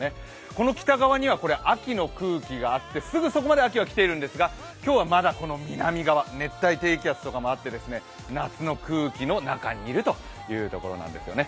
この北側には秋の空気があって、すぐそこまで秋は来ているんですが今日はまだこの南側、熱帯低気圧とかもあって夏の空気の中にいるということなんですね。